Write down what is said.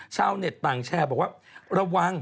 ชาวเน็ตต่างแชร์บอกว่าระวัง